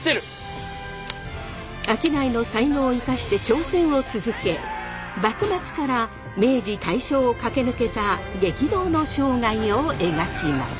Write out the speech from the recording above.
商いの才能を生かして挑戦を続け幕末から明治大正を駆け抜けた激動の生涯を描きます。